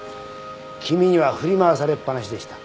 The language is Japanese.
君には振り回されっぱなしでした。